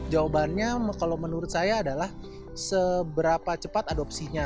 jawabannya kalau menurut saya adalah seberapa cepat adopsinya